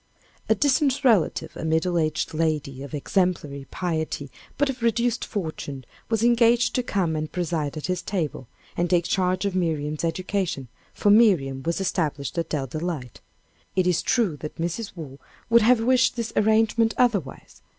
A distant relative, a middle aged lady of exemplary piety, but of reduced fortune, was engaged to come and preside at his table, and take charge of Miriam's education, for Miriam was established at Dell Delight. It is true that Mrs. Waugh would have wished this arrangement otherwise.